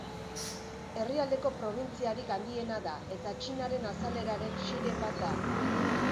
Herrialdeko probintziarik handiena da eta Txinaren azaleraren seiren bat da.